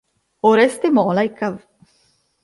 Oreste Mola e cav.